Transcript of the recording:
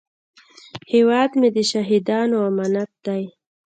هیواد مې د شهیدانو امانت دی